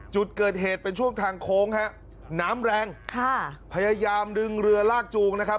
จุดเกิดเหตุเป็นช่วงทางโค้งฮะน้ำแรงค่ะพยายามดึงเรือลากจูงนะครับ